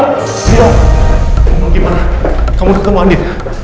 kamu gimana kamu ketemu andi